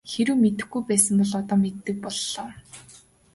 Хэрэв мэдэхгүй байсан бол одоо мэддэг боллоо.